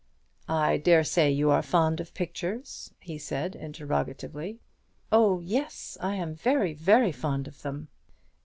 "I dare say you are fond of pictures?" he said, interrogatively. "Oh yes, I am very, very fond of them."